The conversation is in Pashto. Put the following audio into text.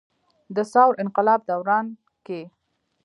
د ثور انقلاب دوران کښې